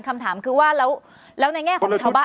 คำถามคือว่าแล้วในแง่ของ